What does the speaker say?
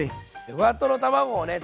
ふわとろ卵をね